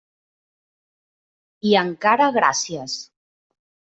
I encara gràcies.